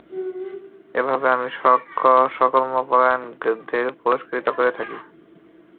এভাবে আমি সকর্ম পরায়ণদেরকে পুরস্কৃত করে থাকি।